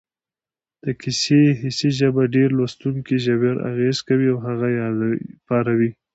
د کیسې حسي ژبه پر لوستونکي ژور اغېز کوي او هغه پاروي